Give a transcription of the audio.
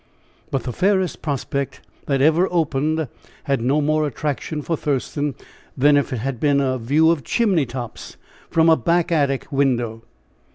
But the fairest prospect that ever opened had no more attraction for Thurston than if it had been a view of chimney tops from a back attic window.